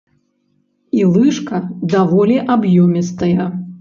І лыжка даволі аб'ёмістая.